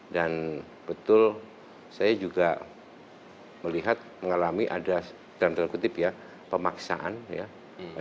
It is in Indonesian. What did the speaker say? dan betul saya juga melihat mengalami ada dalam tanda kutip ya pemaksaan ya